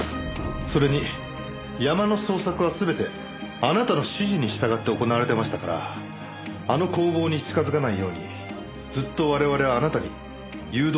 それに山の捜索は全てあなたの指示に従って行われていましたからあの工房に近づかないようにずっと我々はあなたに誘導されていたわけです。